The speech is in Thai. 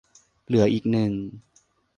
เหลืออีกหนึ่ง